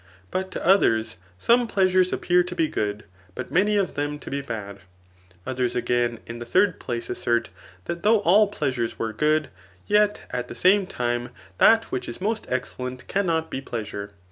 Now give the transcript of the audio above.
But to others, some pleasures appear to be good, but many of them to be bad. Others again in the third place assert, that though all pleasures were good, yet at the same time that which is most excellent cannot be pleasure.